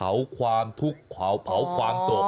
เผาความทุกข์เผาความสวบ